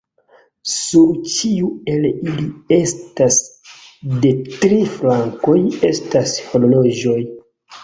Sur ĉiu el ili estas de tri flankoj estas horloĝoj.